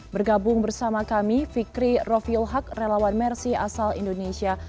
bergabung bersama kami fikri rofiul haq relawan mersi asal indonesia